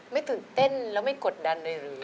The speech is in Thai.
ตื่นเต้นแล้วไม่กดดันเลยหรือ